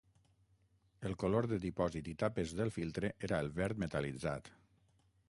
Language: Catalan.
El color de dipòsit i tapes del filtre era el verd metal·litzat.